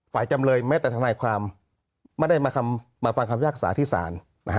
จำเลยแม้แต่ทนายความไม่ได้มาฟังคำพิพากษาที่ศาล